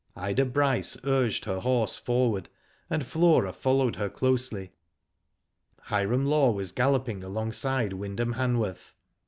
Ida Bryce urged her horse forward, and Flora followed her closely. Hiram Law was galloping alongside Wyndham Hanworth.